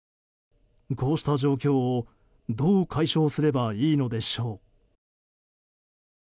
こうした状況をどう解消すればいいのでしょう。